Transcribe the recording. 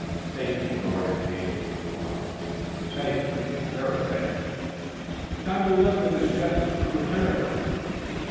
Stacy lowered his gaze to the floor. His face was very red. "What time do you look for the justice to return?"